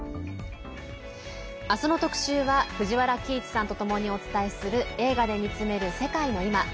明日の特集は藤原帰一さんとともにお伝えする「映画で見つめる世界のいま」。